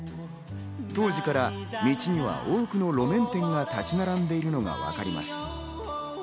当時から道には多くの路面店が立ち並んでいるのがわかります。